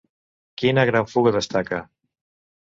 Quina gran fuga destaca?